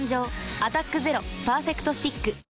「アタックＺＥＲＯパーフェクトスティック」